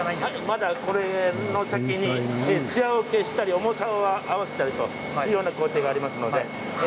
まだこれの先にツヤを消したり、重さを合わせたりというような工程があります。